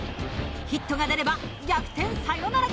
ヒットが出れば逆転サヨナラ勝ち。